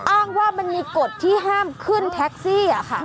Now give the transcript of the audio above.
อ้างว่ามันมีกฎที่ห้ามขึ้นแท็กซี่